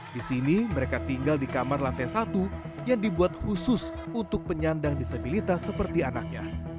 di sini mereka tinggal di kamar lantai satu yang dibuat khusus untuk penyandang disabilitas seperti anaknya